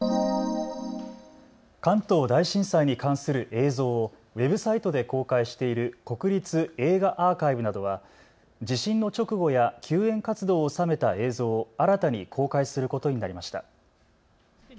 関東大震災に関する映像をウェブサイトで公開している国立映画アーカイブなどは地震の直後や救援活動を収めた映像を新たに公開することになりました。